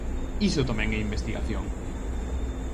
Iso tamén é investigación.